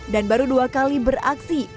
dan baru dua kali beraksi